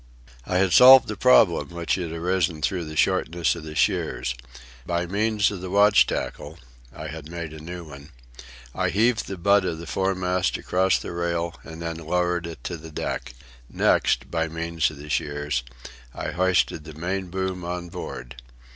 I had solved the problem which had arisen through the shortness of the shears. By means of the watch tackle (I had made a new one), I heaved the butt of the foremast across the rail and then lowered it to the deck. Next, by means of the shears, I hoisted the main boom on board.